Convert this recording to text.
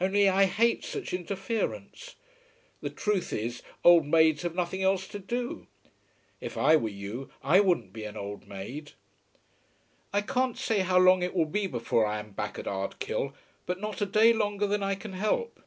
Only I hate such interference. The truth is old maids have nothing else to do. If I were you I wouldn't be an old maid. I can't quite say how long it will be before I am back at Ardkill, but not a day longer than I can help.